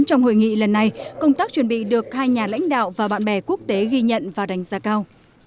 trong hội nghị lần này công tác chuẩn bị được hai nhà lãnh đạo và bạn bè quốc tế ghi nhận và đánh giá cao